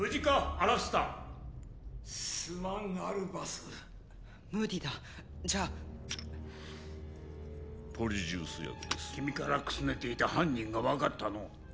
アラスターすまんアルバスムーディだじゃあポリジュース薬です君からくすねていた犯人が分かったのう